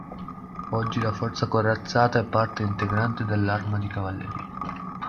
Oggi la forza corazzata è parte integrante dell'Arma di cavalleria.